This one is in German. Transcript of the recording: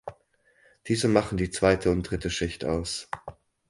Diese machen die zweite und dritte Schicht aus.